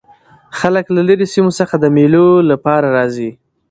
خلک له ليري سیمو څخه د مېلو له پاره راځي.